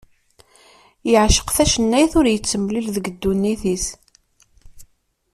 Yeɛceq tacennayt ur yettemlil deg ddunit-is.